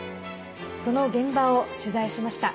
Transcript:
その現場を取材しました。